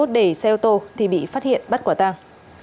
để xe ô tô thì bị phát hiện bắt quả tàng